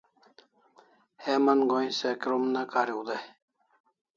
Heman goi se krom ne kariu dai